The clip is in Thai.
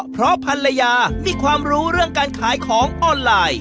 เพราะภรรยามีความรู้เรื่องการขายของออนไลน์